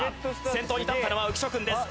先頭に立ったのは浮所君です。